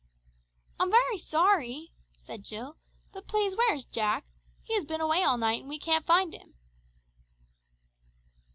"I'm very sorry," said Jill; "but please where is Jack. He has been away all night, and we can't find him."